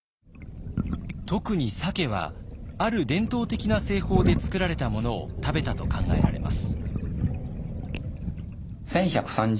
特に鮭はある伝統的な製法で作られたものを食べたと考えられます。